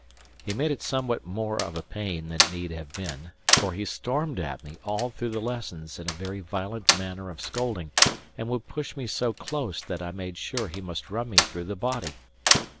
He made it somewhat more of a pain than need have been, for he stormed at me all through the lessons in a very violent manner of scolding, and would push me so close that I made sure he must run me through the body.